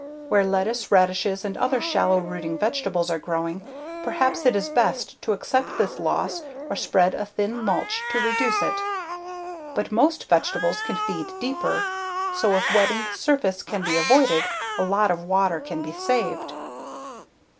Where lettuce, radishes, and other shallow rooting vegetables are growing, perhaps it is best to accept this loss or spread a thin mulch to reduce it. But most vegetables can feed deeper, so if wetting the surface can be avoided, a lot of water can be saved.